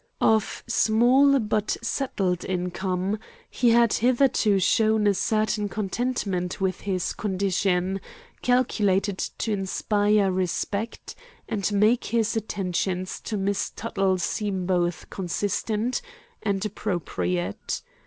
Of small but settled income, he had hitherto shown a certain contentment with his condition calculated to inspire respect and make his attentions to Miss Tuttle seem both consistent and appropriate.